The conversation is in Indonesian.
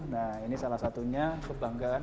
nah ini salah satunya kebanggaan